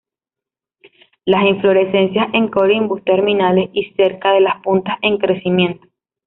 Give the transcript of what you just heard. Las inflorescencias en corimbos terminales y cerca de las puntas en crecimiento.